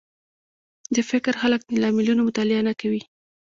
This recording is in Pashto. د فکر خلک د لاملونو مطالعه نه کوي